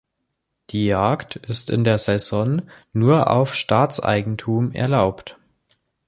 Die Jagd ist in der Saison nur auf Staatseigentum erlaubt.